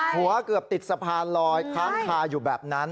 เกือบติดสะพานลอยค้างคาอยู่แบบนั้น